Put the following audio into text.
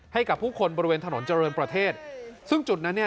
ให้กับผู้คนบริเวณถนนเจริญประเทศซึ่งจุดนั้นเนี่ย